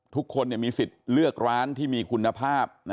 ทุกคนมีสิทธิ์เลือกร้านที่มีคุณภาพ